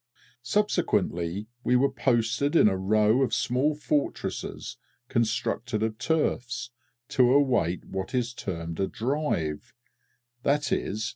Subsequently, we were posted in a row of small fortresses constructed of turfs, to await what is termed a "Drive," _i.e.